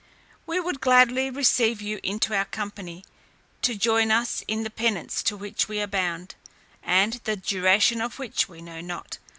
We would gladly receive you into our company, to join with us in the penance to which we are bound, and the duration of which we know not.